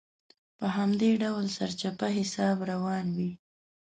په همدې ډول سرچپه حساب روان وي.